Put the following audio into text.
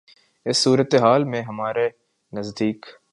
اس صورتِ حال میں ہمارے نزدیک